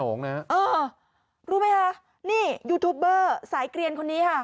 เออรู้ไหมคะนี่ยูทูบเบอร์สายเกลียนคนนี้ค่ะ